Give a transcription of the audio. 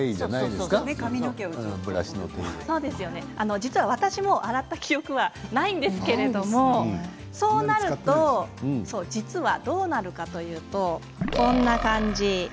実は私も洗った記憶がないんですけれどそうなると実はどうなるかというとこんな感じです。